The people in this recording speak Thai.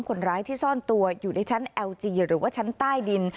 คนร้ายที่ซ่อนตัวอยู่ในชั้นแอลจีหรือว่าชั้นใต้ดิน